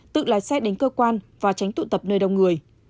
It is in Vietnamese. tự lái xe đến cơ quan và tránh tụ tập nơi đông người